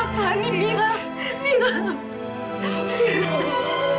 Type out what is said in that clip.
apa ini merah